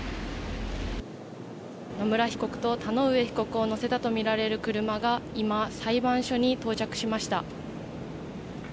野村被告と田上被告を乗せたとみられる車が今、裁判所に到着しました。